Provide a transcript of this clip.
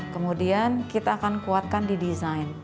kemudian kita akan kuatkan di desain